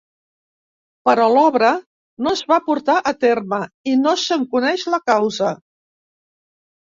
Però l'obra no es va portar a terme i no se'n coneix la causa.